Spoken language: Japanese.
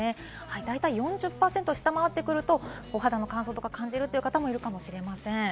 大体４０％を下回ってくると、お肌の乾燥とかを感じるって方もいるかもしれません。